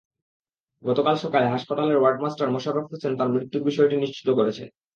গতকাল সকালে হাসপাতালের ওয়ার্ড মাস্টার মোশাররফ হোসেন তাঁর মৃত্যুর বিষয়টি নিশ্চিত করেছেন।